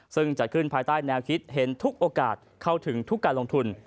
ซึ่งจัดขึ้นภายใต้แนวคิดเห็นทุกโอกาสเข้าถึงทุกการลงทุน